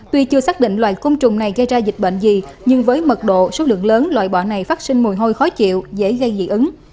tuy chưa xác định loại côn trùng này gây ra dịch bệnh gì nhưng với mật độ số lượng lớn loại bọ này phát sinh mùi hôi khó chịu dễ gây dị ứng